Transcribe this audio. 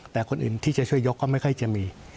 แต่คนอื่นที่จะช่วยยกก็ไม่ค่อยจะมี